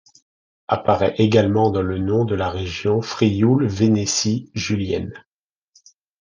Apparaît également dans le nom de la région Frioul-Vénétie julienne.